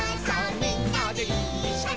みんなでいっしょに」